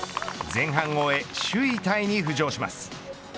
前半を終え首位タイに浮上します。